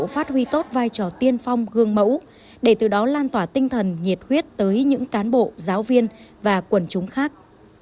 phát huy tốt vai trò tiên phong gương mẫu để từ đó lan tỏa tinh thần nhiệt huyết tới những cán bộ giáo viên và quần chúng khác